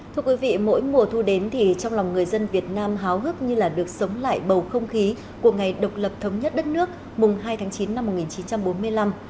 thưa quý vị mỗi mùa thu đến thì trong lòng người dân việt nam háo hức như là được sống lại bầu không khí của ngày độc lập thống nhất đất nước mùng hai tháng chín năm một nghìn chín trăm bốn mươi năm